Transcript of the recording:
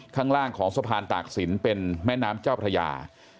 ข้างล่างของสะพานตากศิลป์เป็นแม่น้ำเจ้าพระยา